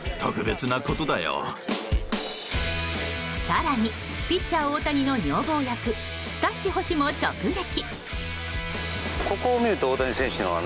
更に、ピッチャー大谷の女房役スタッシ捕手も直撃。